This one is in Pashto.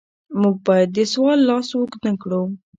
موږ باید د سوال لاس اوږد نکړو.